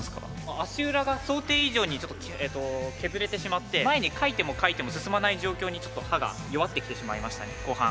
足裏が想定以上にちょっと削れてしまって前にかいてもかいても進まない状況にちょっと刃が弱ってきてしまいましたね後半。